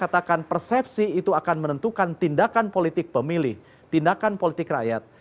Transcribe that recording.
kalau tadi saya katakan persepsi itu akan menentukan tindakan politik pemilih tindakan politik rakyat